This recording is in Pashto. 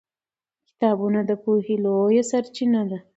کتابونه د پوهې لویه سرچینه ده